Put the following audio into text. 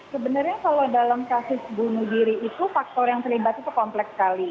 sebenarnya kalau dalam kasus bunuh diri itu faktor yang terlibat itu kompleks sekali